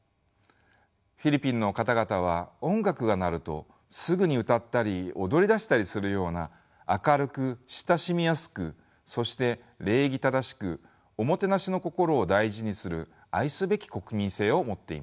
フィリピンの方々は音楽が鳴るとすぐに歌ったり踊りだしたりするような明るく親しみやすくそして礼儀正しくオモテナシの心を大事にする愛すべき国民性を持っています。